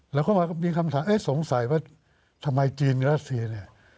แล้วก็มีคำถามเอ๊ะสงสัยว่าทำไมจีนกับรัสเซียเนี่ย